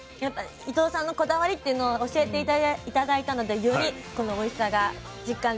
伊藤さんのこだわりっていうのを教えて頂いたのでよりこのおいしさが実感できました。